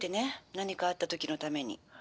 何かあった時のために」。